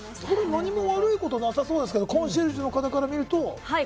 何も悪いところなさそうですけど、コンシェルジュの方から見ると。